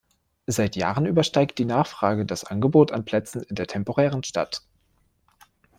Seit Jahren übersteigt die Nachfrage das Angebot an Plätzen in der temporären Stadt.